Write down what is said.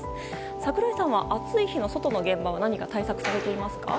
櫻井さんは、暑い日の外の現場は何か対策はされていますか？